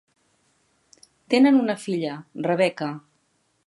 Tenen una filla, Rebecca.